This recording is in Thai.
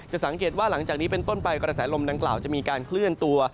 สังเกตว่าหลังจากนี้เป็นต้นไปกระแสลมดังกล่าวจะมีการเคลื่อนตัว